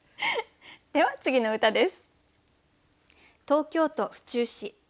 では次の歌です。